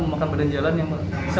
memakan badan jalan yang pak